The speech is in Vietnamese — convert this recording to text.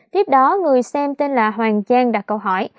tiếp đó người xem tên là hoàng giang đặt câu hỏi